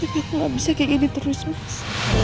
kok gak bisa kayak gini terus mas